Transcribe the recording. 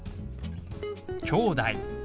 「きょうだい」。